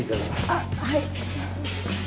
あっはい。